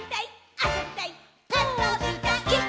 「あそびたいっ！！」